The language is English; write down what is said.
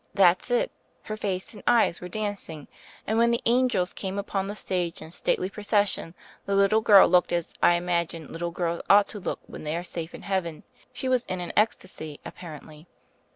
That's it : her face and eyes were dancing, and when the angels came upon the stage in stately procession the little girl looked as I imagine little girls ought to look when they are safe in heaven. She was in an ecstasy, apparently.